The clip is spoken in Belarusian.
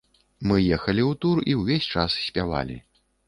Мы ехалі ў тур і ўвесь час спявалі.